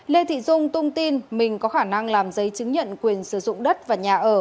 lê thị dung tung tin mình có khả năng làm giấy chứng nhận quyền sử dụng đất và nhà ở